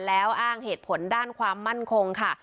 แล้วอ้างเหตุผลด้านความมั่นคงค่ะ